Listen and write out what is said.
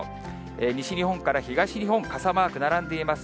西日本から東日本、傘マーク並んでいます。